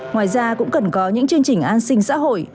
ngoài ra cũng cần có những chương trình an sinh xã hội